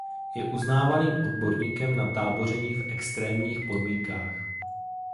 Je uznávaným odborníkem na táboření v extrémních podmínkách.